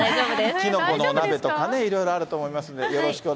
きのこのお鍋とかいろいろあると思いますんで、よろしくお願